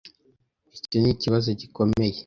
Icyo nikibazo gikomeye.